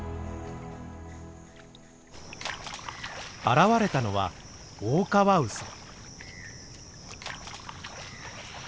現れたのはオオカワウソ。